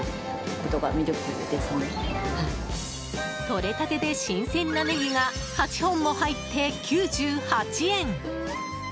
とれたてで新鮮なネギが８本も入って９８円！